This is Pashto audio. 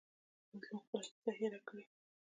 مظلوم خپله کیسه هېر کړي.